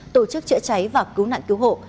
tổ chức chữa cháy và cứu nạn cứu hộ